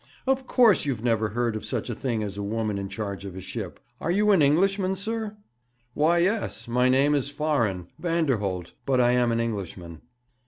Of course you've never heard of such a thing as a woman in charge of a ship. Are you an Englishman, sir?' 'Why, yes. My name is foreign Vanderholt; but I am an Englishman.'